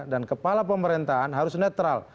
dan kepala pemerintahan harus netral